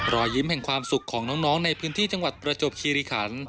รอยยิ้มแห่งความสุขของน้องในพื้นที่จังหวัดประจวบคิริขัน